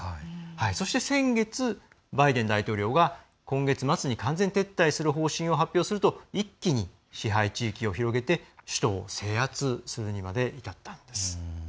そして先月、バイデン大統領が今月末に完全撤退する方針を発表すると一気に支配地域を広げて首都を制圧するにまで至ったんです。